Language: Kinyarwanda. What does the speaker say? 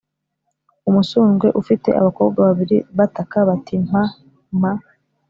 “umusundwe ufite abakobwa babiri bataka bati ‘mpa, mpa!’